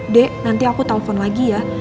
dek nanti aku telpon lagi ya